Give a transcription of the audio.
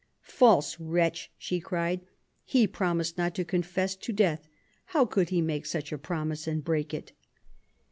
False wretch," she cried, he promised not to confess to death ; how could he make such a promise and break it